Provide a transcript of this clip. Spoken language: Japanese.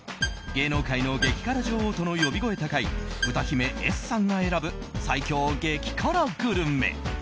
芸能界の激辛女王との呼び声高い歌姫・Ｓさんが選ぶ最強激辛グルメ。